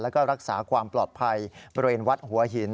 แล้วก็รักษาความปลอดภัยบริเวณวัดหัวหิน